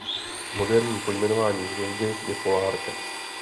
Moderní pojmenování hvězdy je Polárka.